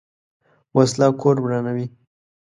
وسله کور ورانوي